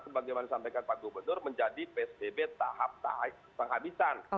sebagaimana disampaikan pak gubernur menjadi psbb tahap penghabisan